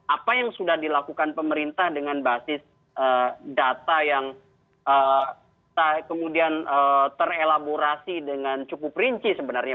apa yang sudah dilakukan pemerintah dengan basis data yang kemudian terelaborasi dengan cukup rinci sebenarnya